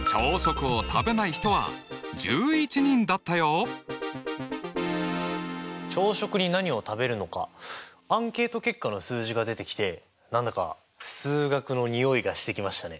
その結果は朝食に何を食べるのかアンケート結果の数字が出てきて何だか数学のにおいがしてきましたね。